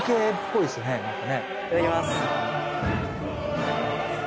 いただきます。